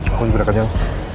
aku juga kenyang